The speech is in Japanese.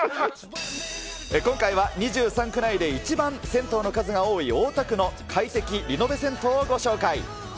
今回は２３区内で一番銭湯の数が多い大田区の快適リノベ銭湯をご紹介。